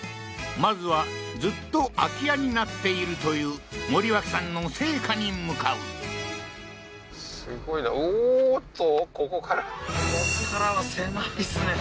まずはずっと空き家になっているという森脇さんの生家に向かうここからは狭いですね